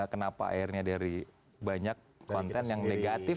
kenapa akhirnya dari banyak konten yang negatif